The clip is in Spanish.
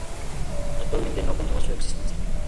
Actualmente no continúa su existencia.